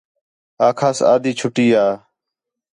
آکھاس آدھی چھٹی ہا